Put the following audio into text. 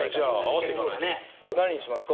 何にしますか？